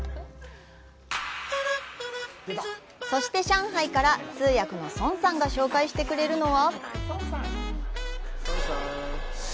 そして、上海から通訳の孫さんが紹介してくれるのは。